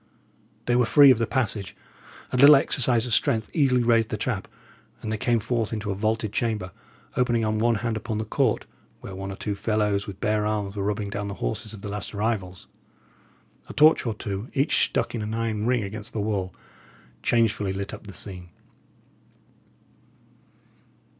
They were free of the passage. A little exercise of strength easily raised the trap; and they came forth into a vaulted chamber, opening on one hand upon the court, where one or two fellows, with bare arms, were rubbing down the horses of the last arrivals. A torch or two, each stuck in an iron ring against the wall, changefully lit up the scene.